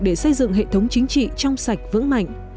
để xây dựng hệ thống chính trị trong sạch vững mạnh